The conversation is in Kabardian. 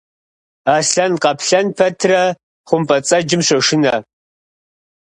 Аслъэн-къаплъэн пэтрэ хъумпӏэцӏэджым щощынэ.